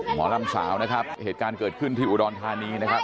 หมอลำสาวนะครับเหตุการณ์เกิดขึ้นที่อุดรธานีนะครับ